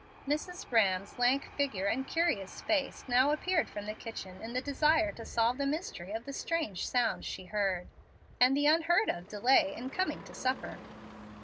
Mrs. Rhamm's lank figure and curious face now appeared from the kitchen in the desire to solve the mystery of the strange sounds she heard, and the unheard of delay in coming to supper.